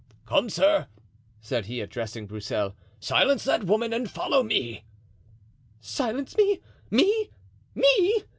"Come, sir," said he, addressing Broussel, "silence that woman and follow me." "Silence me! me! me!"